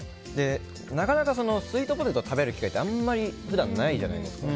なかなかスイートポテトを食べる機会ってあんまり普段ないじゃないですか。